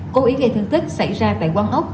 cố ý gây thương tích xảy ra tại quang hóc